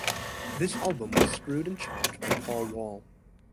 This album was screwed and chopped by Paul Wall.